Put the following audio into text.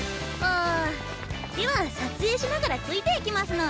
あでは撮影しながらついていきますの。